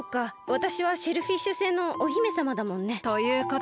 わたしはシェルフィッシュ星のお姫さまだもんね。ということは。